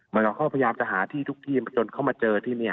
มันก็พยายามจะหาที่ทุกที่จนเขามาเจอที่เนี่ย